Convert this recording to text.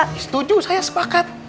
setuju saya sepakat